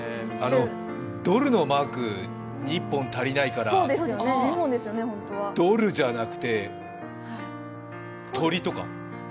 ドルのマークに１本足りないからドルじゃなくて鳥とか？